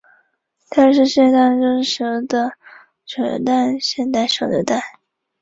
第六世洞阔尔活佛是内蒙古茂明安旗人。